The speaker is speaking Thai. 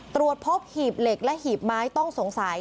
ตรวจพบหีบเหล็กและหีบไม้ต้องสงสัย